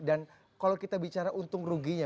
dan kalau kita bicara untung ruginya